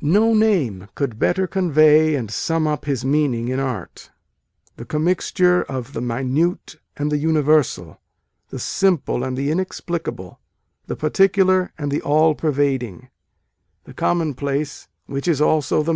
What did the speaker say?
9 No name could better convey and sum up his meaning in art, a commixture of the minute and the universal, the simple and the inexplicable, the particular and the all pervad ing, the commonplace which is also the A DAY WITH WALT WHITMAN.